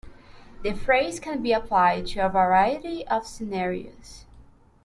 The phrase can be applied to a variety of scenarios.